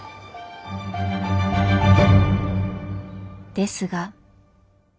ですが。